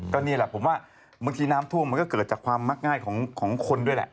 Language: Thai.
ก็นี่แหละผมว่าบางทีน้ำท่วมมันก็เกิดจากความมักง่ายของคนด้วยแหละ